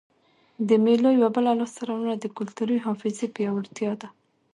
د مېلو یوه بله لاسته راوړنه د کلتوري حافظې پیاوړتیا ده.